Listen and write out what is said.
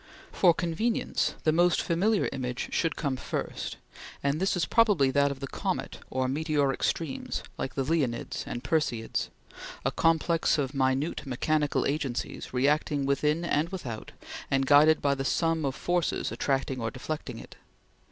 For convenience, the most familiar image should come first; and this is probably that of the comet, or meteoric streams, like the Leonids and Perseids; a complex of minute mechanical agencies, reacting within and without, and guided by the sum of forces attracting or deflecting it.